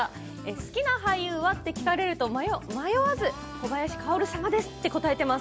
好きな俳優は？と聞かれると迷わず小林薫様ですと答えています。